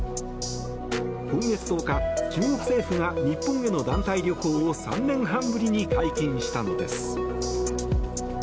今月１０日、中国政府が日本への団体旅行を３年半ぶりに解禁したのです。